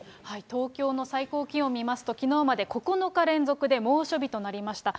東京の最高気温見ますと、きのうまで９日連続で猛暑日となりました。